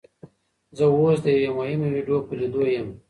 زه اوس د یوې مهمې ویډیو په لیدو یم.